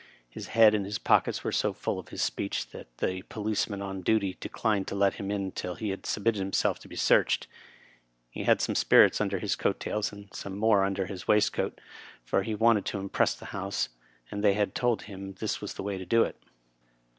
His head and his pockets were so full of his speech that the policemen on duty declined to let him in till he had submitted himself to be searched. He had some spirits under his coat tails and some more under his waistcoat, for he wanted to impress the House, and they had told him this was the way to do it.